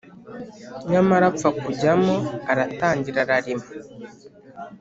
Nyamara apfa kujyamo aratangira ararima.